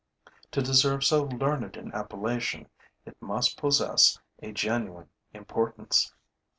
To deserve so learned an appellation, it must possess a genuine importance.